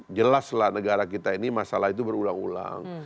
ya kan jelas lah negara kita ini masalah itu berulang ulang